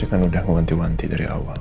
saya kan udah nguanti uanti dari awal